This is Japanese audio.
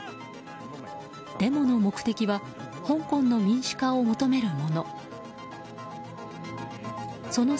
デモの目的は香港の民主化を求めるもの。